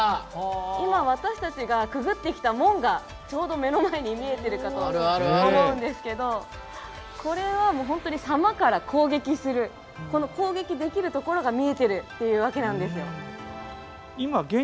今私たちがくぐってきた門がちょうど目の前に見えてるかと思うんですけどこれはもう本当に狭間から攻撃するこの攻撃できるところが見えてるっていうわけなんですよ。